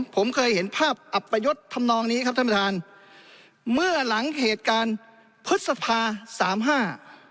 ผมเคยเห็นภาพอัปยศทำนองนี้ครับท่านประธานเมื่อหลังเหตุการณ์พฤษภาสามห้า